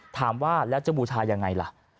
ถามว่าแล้วจะบูชายังไงล่ะ